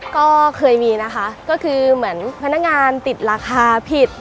ก็เคยมีนะคะก็คือเหมือนพนักงานติดราคาผิด